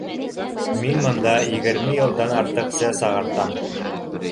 Мин бында егерме йылдан артыҡ сәс ағартам.